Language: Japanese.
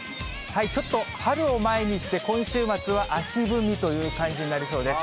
ちょっと春を前にして、今週末は足踏みという感じになりそうです。